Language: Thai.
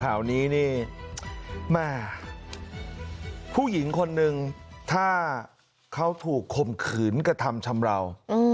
ข่าวนี้นี่แม่ผู้หญิงคนนึงถ้าเขาถูกข่มขืนกระทำชำราว